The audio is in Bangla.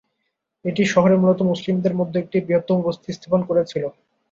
এটি শহরে মূলত মুসলিমদের মধ্যে একটি বৃহত্তম বস্তি স্থাপন করেছিল।